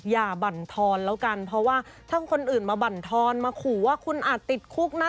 บั่นทอนแล้วกันเพราะว่าถ้าคนอื่นมาบั่นทอนมาขู่ว่าคุณอาจติดคุกนะ